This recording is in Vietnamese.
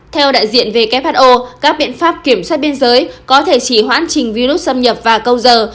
theo đại diện who các biện pháp kiểm soát biên giới có thể chỉ hoãn trình virus xâm nhập và câu giờ